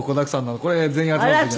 これ全員集まった時の。